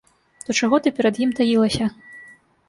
То чаго ты перад ім таілася?